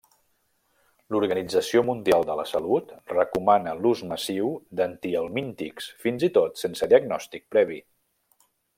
L'Organització Mundial de la Salut recomana l'ús massiu d'antihelmíntics fins i tot sense diagnòstic previ.